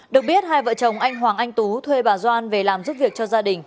được biết hai vợ chồng anh hoàng anh tú thuê bà doan về làm giúp việc cho gia đình